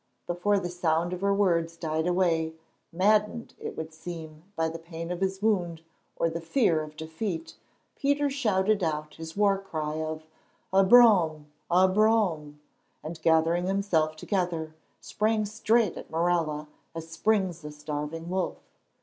Before the sound of her words died away, maddened it would seem, by the pain of his wound, or the fear of defeat, Peter shouted out his war cry of "A Brome! A Brome!" and, gathering himself together, sprang straight at Morella as springs a starving wolf.